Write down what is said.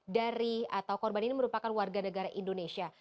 dari atau korban ini merupakan warga negara indonesia